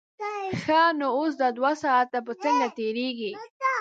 ښه نو اوس دا دوه ساعته به څنګه تېرېږي.